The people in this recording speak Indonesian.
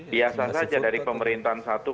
biasa saja dari pemerintahan satu